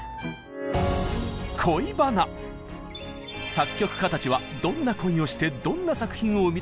作曲家たちはどんな恋をしてどんな作品を生み出したのか。